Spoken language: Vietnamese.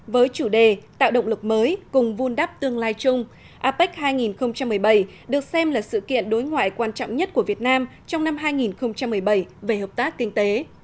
với chủ đề tạo động lực mới cùng vun đắp tương lai chung apec hai nghìn một mươi bảy được xem là sự kiện đối ngoại quan trọng nhất của việt nam trong năm hai nghìn một mươi bảy về hợp tác kinh tế